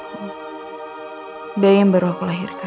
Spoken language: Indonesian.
padahal kita pergi ke suatu pulau york